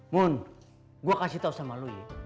mun gue kasih tau sama lo ya